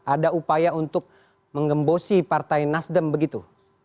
ada upaya untuk mengembosi partai nasdem begitu